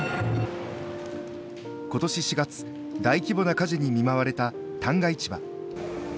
ことし４月大規模な火事に見舞われた旦過市場。